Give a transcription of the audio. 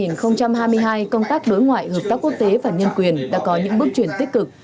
năm hai nghìn hai mươi hai công tác đối ngoại hợp tác quốc tế và nhân quyền đã có những bước chuyển tích cực